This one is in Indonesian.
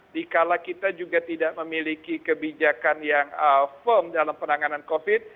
dikala kita juga tidak memiliki kebijakan yang firm dalam penanganan covid